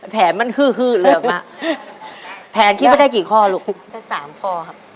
แถมมันฮือเลยออกมาแผนคิดไปได้กี่ข้อลูกได้สามข้อครับ